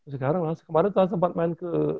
masih sekarang mas kemarin tuh sempat main ke